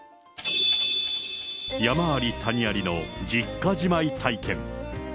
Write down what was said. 山あり谷ありの実家じまい体験。